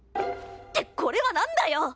ってこれは何だよ！